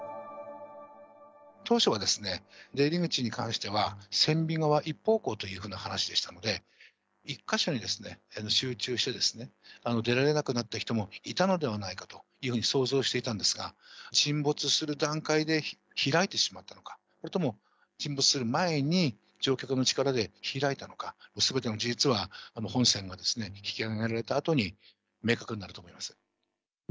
当初は出入り口に関しては、船尾側一方向という話でしたので、１か所に集中して、出られなくなった人もいたのではないかというふうに想像していたんですが、沈没する段階で開いてしまったのか、それとも沈没する前に乗客の力で開いたのか、すべての事実は本船が引き揚げられたあとに明確になると思います。